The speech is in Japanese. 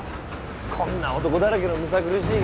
こんな男だらけのむさ苦しい